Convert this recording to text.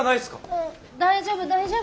うん大丈夫大丈夫。